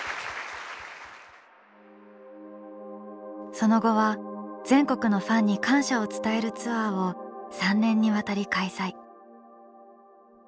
その後は全国のファンに感謝を伝えるツアーを３年にわたり開催。